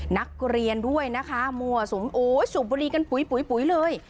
นักเรียนด้วยนะคะมั่วสูงปุรีกันปุ๊ยเลย